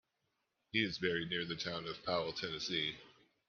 He is buried near the town of Powell, Tennessee.